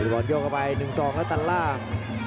ก็ยกออกไป๑๒แล้วตัดล่าง